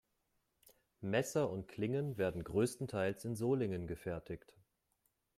Messer und Klingen werden größtenteils in Solingen gefertigt.